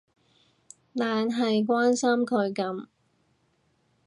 懶係關心佢噉